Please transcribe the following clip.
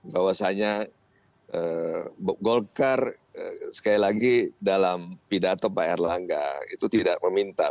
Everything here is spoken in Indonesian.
bahwasannya golkar sekali lagi dalam pidato pak erlangga itu tidak meminta